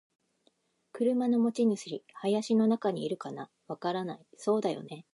「車の持ち主。林の中にいるかな？」「わからない。」「そうだよね。」